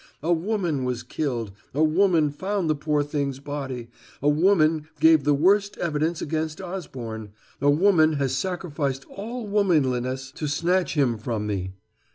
A woman was killed, a woman found the poor thing's body, a woman gave the worst evidence against Osborne, a woman has sacrificed all womanliness to snatch him from me.